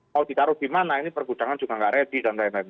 mau ditaruh dimana ini pergudangan juga gak ready dan lain lain